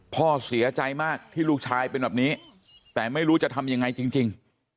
พ่อเสียใจมากที่ลูกชายเป็นแบบนี้แต่ไม่รู้จะทำยังไงจริง